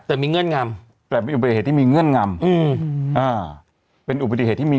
แต่มีเงื่อนงำแต่เป็นอุบัติเหตุที่มีเงื่อนงำอืมอ่าเป็นอุบัติเหตุที่มี